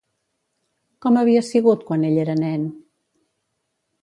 Com havia sigut quan ell era nen?